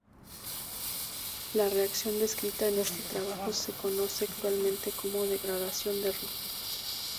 La reacción descrita en este trabajo se conoce actualmente como degradación de Ruff.